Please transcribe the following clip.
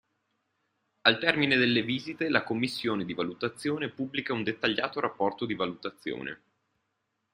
Al termine delle visite la commissione di valutazione pubblica un dettagliato rapporto di valutazione.